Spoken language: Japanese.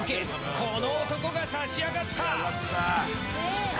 この男が立ち上がった！